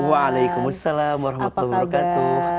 waalaikumsalam wr wb